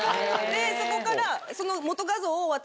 そこから。